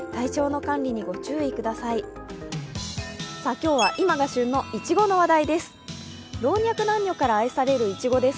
今日は今が旬のいちごの話題です。